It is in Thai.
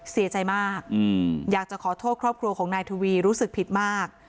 เสียใจมากอยากจะขอโทษครอบครัวของนายทวีรู้สึกผิดมาก